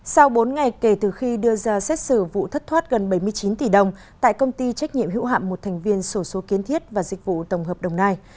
sau bốn ngày kể từ khi đưa ra xét xử vụ thất thoát gần bảy mươi chín tỷ đồng tại công ty trách nhiệm hữu hạm một thành viên sổ số kiến thiết và dịch vụ tổng hợp đồng nai